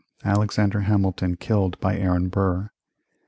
Alexander Hamilton killed by Aaron Burr 1805.